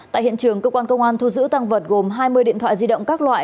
tại hiện trường cơ quan công an thu giữ tăng vật gồm hai mươi điện thoại di động các loại